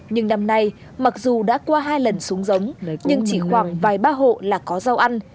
nhưng năm nay mặc dù đã qua hai lần xuống giống nhưng chỉ khoảng vài ba hộ là có rau ăn